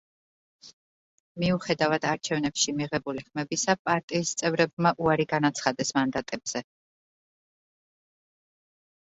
მიუხედავად არჩევნებში მიღებული ხმებისა, პარტიის წევრებმა უარი განაცხადეს მანდატებზე.